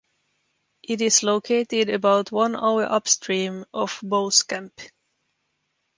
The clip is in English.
It is located about one hour upstream of Boskamp.